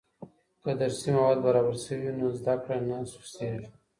که درسي مواد برابر سوي وي نو زده کړه نه سستيږي.